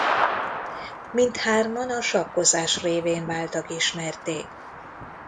Mindhárman a sakkozás révén váltak ismertté.